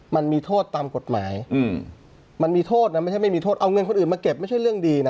มันมีโทษตามกฎหมายมันมีโทษนะไม่ใช่ไม่มีโทษเอาเงินคนอื่นมาเก็บไม่ใช่เรื่องดีนะ